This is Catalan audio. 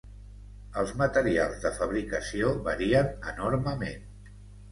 Els materials de fabricació varien enormement.